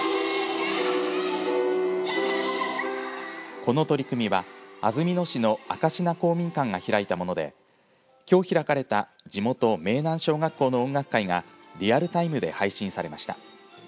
この取り組みは安曇野市の明科公民館が開いたものできょう開かれた地元明南小学校の音楽会がリアルタイムで配信されました。